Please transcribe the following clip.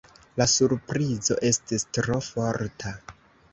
La surprizo estis tro forta.